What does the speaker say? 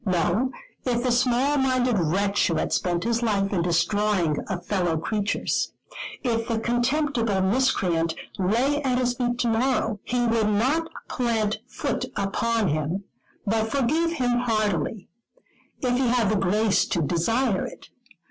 No, if the small minded wretch who had spent his life in destroying a fellow creature's, if that contemptible miscreant lay at his feet to morrow, he would not plant foot upon him; but forgive him heartily, if he had the grace to desire it.